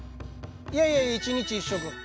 いやいや１日１食。